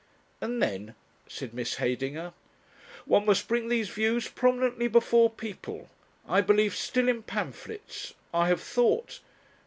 "And then?" said Miss Heydinger. "One must bring these views prominently before people. I believe still in pamphlets. I have thought